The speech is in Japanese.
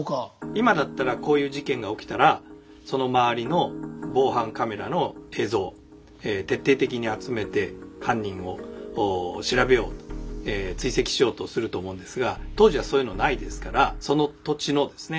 今だったらこういう事件が起きたらその周りの防犯カメラの映像を徹底的に集めて犯人を調べようと追跡しようとすると思うんですが当時はそういうのないですからその土地のですね